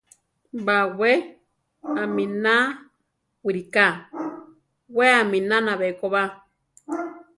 Bawé aminá wiriká, we aminána bekoba.